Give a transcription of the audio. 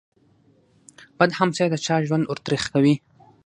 بد همسایه د چا ژوند ور تريخ کوي.